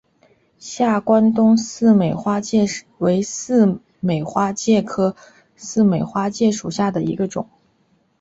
下关东似美花介为似美花介科似美花介属下的一个种。